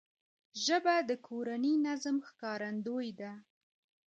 ژبه د کورني نظم ښکارندوی ده